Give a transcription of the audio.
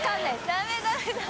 ダメダメダメ。